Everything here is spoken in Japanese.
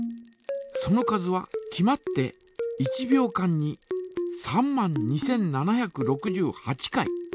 その数は決まって１秒間に３万２，７６８回。